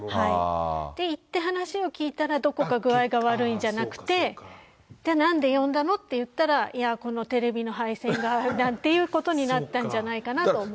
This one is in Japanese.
行って話を聞いたら、どこか具合が悪いんじゃなくて、じゃあ、なんで呼んだの？って言ったら、いや、このテレビの配線がなんていうことになったんじゃないかなと思い